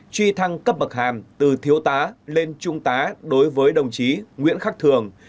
truy thăng cấp bậc hàm từ thiếu tá lên trung tá đối với đồng chí nguyễn khắc thường